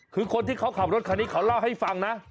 คือคนที่เขาขับรถคันนี้เขาเล่าให้ฟังนะ